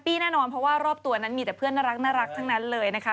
แน่นอนเพราะว่ารอบตัวนั้นมีแต่เพื่อนน่ารักทั้งนั้นเลยนะคะ